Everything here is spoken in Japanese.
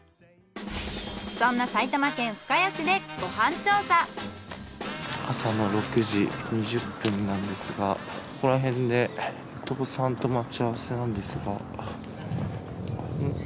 そんな朝の６時２０分なんですがここらへんで伊藤さんと待ち合わせなんですが。